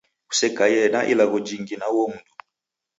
Kusekaie na ilagho jingi na uo mundu.